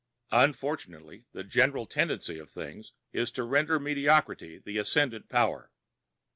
Unfortunately, the general tendency of things is to render mediocrity the ascendant power.